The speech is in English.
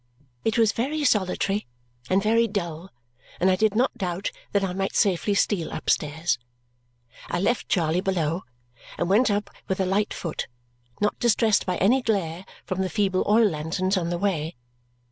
It was very solitary and very dull, and I did not doubt that I might safely steal upstairs. I left Charley below and went up with a light foot, not distressed by any glare from the feeble oil lanterns on the way.